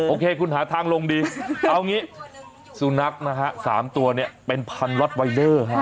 โอเคคุณหาทางลงดีเอางี้สุนัขนะฮะ๓ตัวเนี่ยเป็นพันล็อตไวเดอร์ฮะ